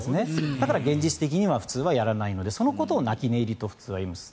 だから、現実的には普通はやらないのでそのことを泣き寝入りと普通は言います。